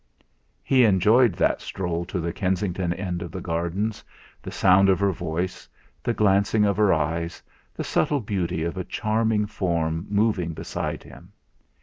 He enjoyed that stroll to the Kensington end of the gardens the sound of her voice, the glancing of her eyes, the subtle beauty of a charming form moving beside him.